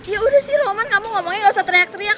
ya udah sih roman kamu ngomongnya gausah teriak teriak